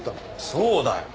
そうだよ。